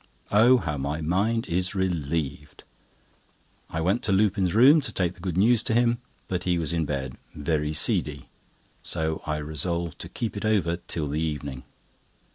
Oh, how my mind is relieved! I went to Lupin's room to take the good news to him, but he was in bed, very seedy, so I resolved to keep it over till the evening.